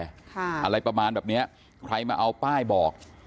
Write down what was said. ครับเสร็จด้วยต้องมาไข่แหละอะไรประมาณแบบนี้ใครมาเอาป้ายบอก